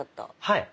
はい。